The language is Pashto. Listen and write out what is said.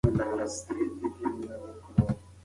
تاسو کولی شئ د نورو معلوماتو لپاره ساینسي پاڼې وګورئ.